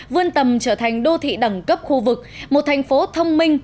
vươn tầm trở thành đô thị đẳng cấp khu vực một thành phố thông minh